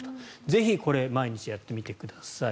ぜひこれ毎日やってみてください。